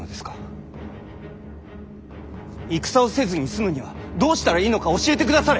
戦をせずに済むにはどうしたらいいのか教えてくだされ！